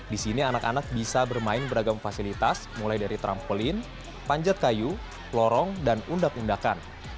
di sini anak anak bisa bermain beragam fasilitas mulai dari trampolin panjat kayu lorong dan undak undakan